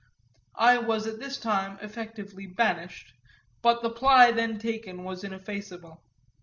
I was this time effectively banished, but the ply then taken was ineffaceable.